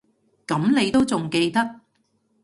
噉你都仲記得